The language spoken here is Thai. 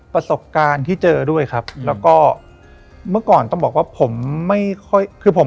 ประสบการณ์ที่เจอด้วยครับแล้วก็เมื่อก่อนต้องบอกว่าผมไม่ค่อยคือผม